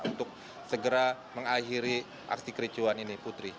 untuk segera mengakhiri aksi kericuan ini putri